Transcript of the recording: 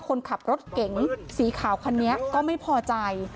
คนขับรถเก๋งสีขาวคันนี้ก็ไม่พอใจ